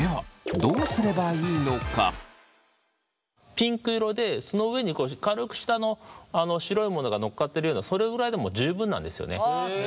ピンク色でその上に軽く舌の白いものがのっかってるようなそれぐらいでも十分なんですよね。